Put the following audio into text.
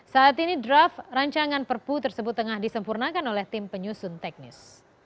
saat ini draft rancangan perpu tersebut tengah disempurnakan oleh tim penyusun teknis